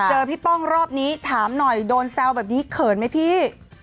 พี่ป้องรอบนี้ถามหน่อยโดนแซวแบบนี้เขินไหมพี่